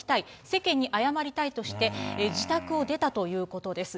世間に謝りたいとして、自宅を出たということです。